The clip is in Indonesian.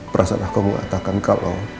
perasaan aku mau ngatakan kalau